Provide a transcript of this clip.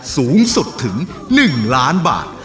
สูงสุดถึง๑ล้านบาท